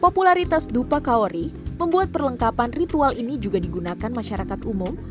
popularitas dupa kaori membuat perlengkapan ritual ini juga digunakan masyarakat umum